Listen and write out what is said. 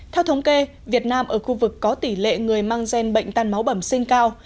theo thống kê việt nam ở khu vực có tỷ lệ người mang gen bệnh tan máu bẩm sinh cao